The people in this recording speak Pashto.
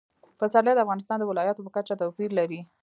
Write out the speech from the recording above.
پسرلی د افغانستان د ولایاتو په کچه توپیر لري.